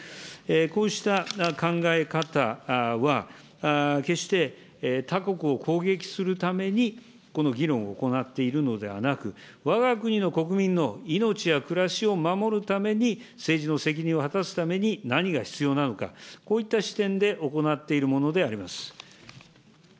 こうした考え方は、決して他国を攻撃するためにこの議論を行っているのではなく、わが国の国民の命や暮らしを守るために、政治の責任を果たすために何が必要なのか、こういった視点で行っているものであります。